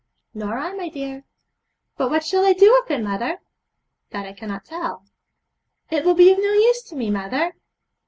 'Nor I, my dear.' 'But what shall I do with it, mother?' 'That I cannot tell.' 'It will be of no use to me, mother.'